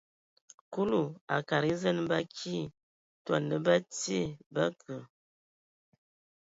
Kulu a kadag e zen ba akii, tɔ ana bə tie, bə kə.